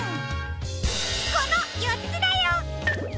このよっつだよ！